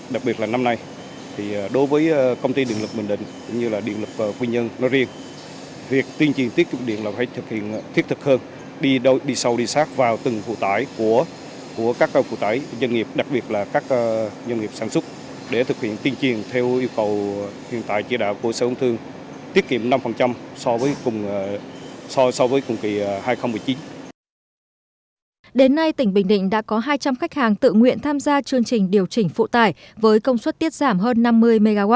đến nay tỉnh bình định đã có hai trăm linh khách hàng tự nguyện tham gia chương trình điều chỉnh phụ tài với công suất tiết giảm hơn năm mươi mw